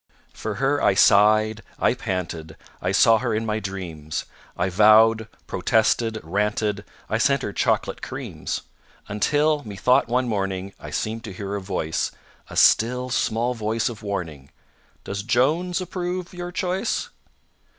For her I sighed, I panted; I saw her in my dreams; I vowed, protested, ranted; I sent her chocolate creams. Until methought one morning I seemed to hear a voice, A still, small voice of warning. "Does JONES approve your choice?"